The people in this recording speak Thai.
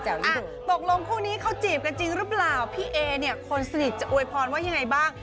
ตกลงคู่นี้เขาจีบกันจริงหรือเปล่าพี่เอเนี่ยคนสนิทจะอวยพรว่ายังไงบ้าง